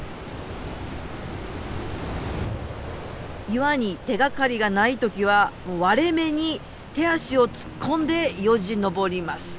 岩に手がかりがない時は割れ目に手足を突っ込んでよじ登ります。